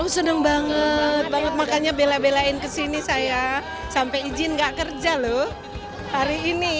senang banget makanya bela belain kesini saya sampai izin gak kerja loh hari ini